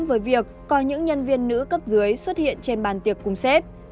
với việc có những nhân viên nữ cấp dưới xuất hiện trên bàn tiệc cùng xếp